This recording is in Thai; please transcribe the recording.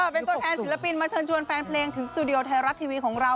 เป็นตัวแทนศิลปินมาเชิญชวนแฟนเพลงถึงสตูดิโอไทยรัฐทีวีของเรา